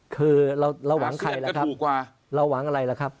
คือเราหวังใครล่ะครับเราหวังอะไรล่ะครับ